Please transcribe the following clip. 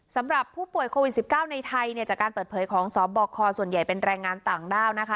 สำหรับผู้ป่วยโควิด๑๙ในไทยเนี่ยจากการเปิดเผยของสบคส่วนใหญ่เป็นแรงงานต่างด้าวนะคะ